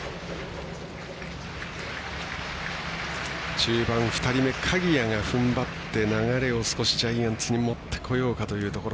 中盤２人目、鍵谷がふんばって流れを少しジャイアンツにもってこようかというところ。